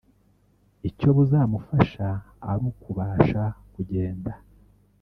icyo buzamufasha ari ukubasha kugenda